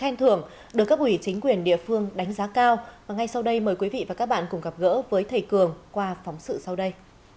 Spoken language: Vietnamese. mời quý vị và các bạn cùng gặp gỡ với thầy cường qua phóng sự sau đây